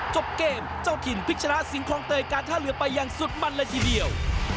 จบเกมเจ้าถิ่นพลิกชนะสิงคลองเตยการท่าเรือไปอย่างสุดมันเลยทีเดียว